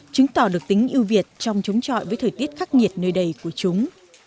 chứng tỏ được tính yêu việt trong chống trọi với thời tiết khắc nghiệt nơi đầy của chúng